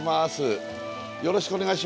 よろしくお願いします。